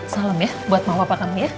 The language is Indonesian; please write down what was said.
salam ya buat mama papa kami ya